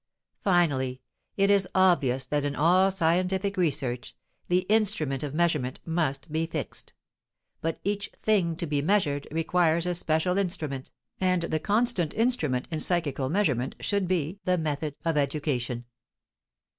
Finally, it is obvious that in all scientific research, the instrument of measurement must be fixed. But each thing to be measured requires a special instrument, and the constant instrument in psychical measurement should be "the method of education."